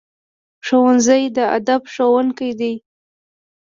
ښوونځی د ادب ښوونکی دی